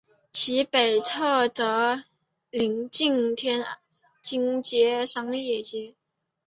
其北侧则邻近天津街商业街。